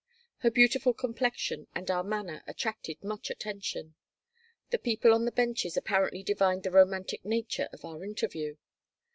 Her beautiful complexion and our manner attracted much attention. The people on the benches apparently divined the romantic nature of our interview.